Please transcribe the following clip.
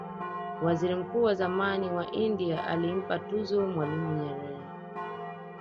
waziri mkuu wa zamani wa india alimpa tuzo mwalimu nyerere